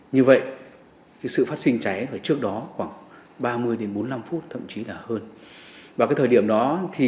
nhưng vụ cháy cũng đã khiến ba ông cháu tử vong